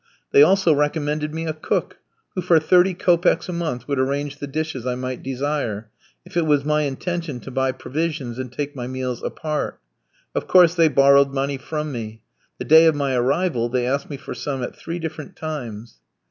They also recommended me a cook, who, for thirty kopecks a month, would arrange the dishes I might desire, if it was my intention to buy provisions and take my meals apart. Of course they borrowed money from me. The day of my arrival they asked me for some at three different times.